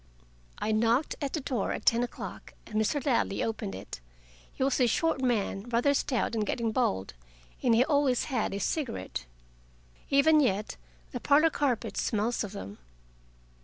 I knocked at the door at ten o'clock, and Mr. Ladley opened it. He was a short man, rather stout and getting bald, and he always had a cigarette. Even yet, the parlor carpet smells of them.